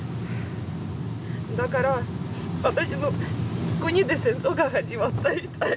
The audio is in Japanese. だから私の国で戦争が始まったみたい。